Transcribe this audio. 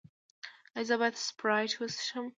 ایا زه باید سپرایټ وڅښم؟